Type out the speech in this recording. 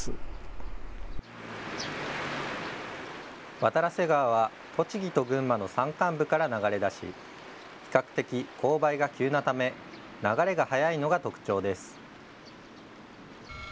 渡良瀬川は栃木と群馬の山間部から流れ出し比較的、勾配が急なため流れが早いのが特徴です。